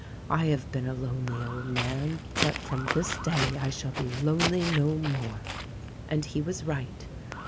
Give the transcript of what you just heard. I have been a lonely old man ; but, from this day, I shall be lonely no more." And he was right.